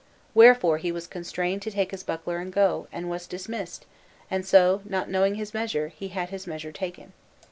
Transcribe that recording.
Wherefore he was constrained to take his buckler and go, and was dismissed; and so, not knowing his measure, he had his measure taken."